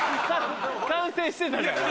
完成してたから。